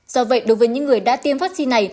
do vậy đối với những người đã tiêm vaccine này